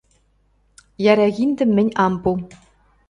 Йӓрӓ киндӹм мӹнь ам пу.